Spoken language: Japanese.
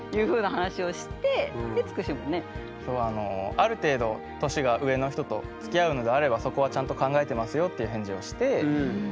ある程度年が上の人とつきあうのであればそこはちゃんと考えてますよっていう返事をして。